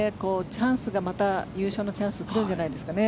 チャンスがまた、優勝のチャンス来るんじゃないですかね。